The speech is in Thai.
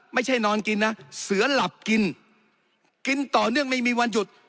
ไม่ใช่นอนกินนะเสือหลับกินกินต่อเนื่องไม่มีวันหยุด